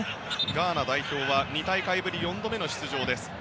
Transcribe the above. ガーナ代表は２大会ぶり４度目の出場。